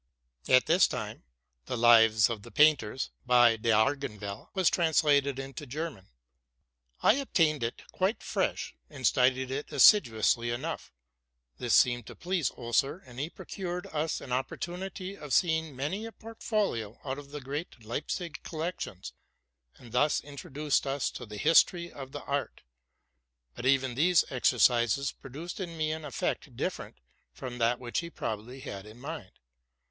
At this time the '+ Lives of the Painters,'' by D' Argenville, 260 TRUTH AND FICTION was translated into German: I obtained it quite fresh, and studied it assiduously enough. This seemed to please Oeser ; and he procured us an opportunity of seeing many a port folio out of the great Leipzig collections, and thus introduced us to the history of the art. But even these exercises pro duced in me an effect different from that which he probably had in mind.